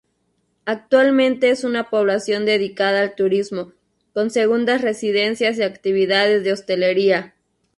Actualmente es una población dedicada al turismo, con segundas residencias y actividades de hostelería.